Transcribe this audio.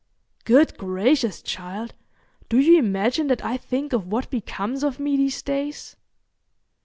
"Good gracious, child, do you imagine that I think of what becomes of me these days?"